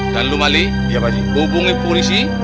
dan lu mali hubungi polisi